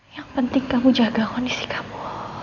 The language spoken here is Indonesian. yang penting kamu jaga kondisi kamu